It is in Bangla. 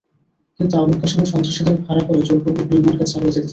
কিন্তু আবুল কাশেম সন্ত্রাসীদের ভাড়া করে জোরপূর্বক নির্মাণকাজ চালিয়ে যেতে থাকেন।